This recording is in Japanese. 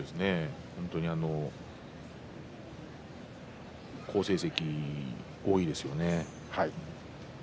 本当に好成績が多いですよね。